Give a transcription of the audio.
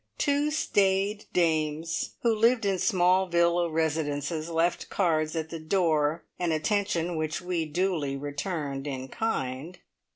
Two staid dames, who lived in small villa residences, left cards at the door, an attention which we duly returned in kind.